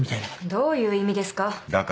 どういう意味ですか。